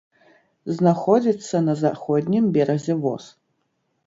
Знаходзіцца на заходнім беразе воз.